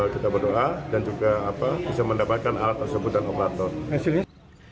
kita berdoa dan juga bisa mendapatkan alat tersebut dan operator